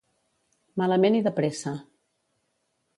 Malament i de pressa.